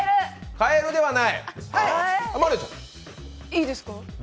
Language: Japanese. いいですか？